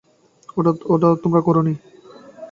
ওটা তোমরা করোনি।